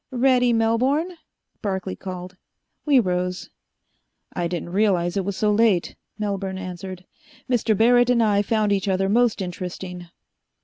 "Ready, Melbourne?" Barclay called. We rose. "I didn't realize it was so late," Melbourne answered. "Mr. Barrett and I have found each other most interesting."